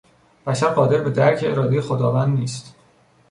بشر قادر به درک ارادهی خداوند نیست.